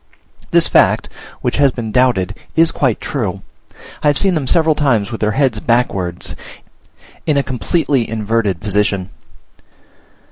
This fact, which has been doubted, is quite true; I have seen them several times with their heads backwards in a completely inverted position.